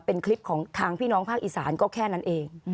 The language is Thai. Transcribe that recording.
เป็นคลิปของทางพี่น้องภาคอีสานก็แค่นั้นเอง